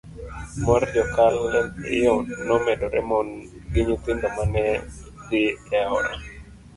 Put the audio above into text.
mar jokal e yo nomedore, mon gi nyithindo mane dhi e aora